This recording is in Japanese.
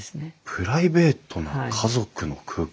プライベートな家族の空間？